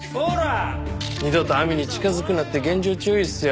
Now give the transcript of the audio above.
二度と亜美に近づくなって厳重注意っすよ。